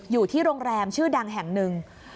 อยู่ที่โรงแรมชื่อดังแห่งหนึ่ง